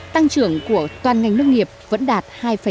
tăng trưởng của toàn ngành nông nghiệp vẫn đạt hai chín mươi bốn